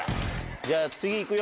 じゃあ、次いくよ。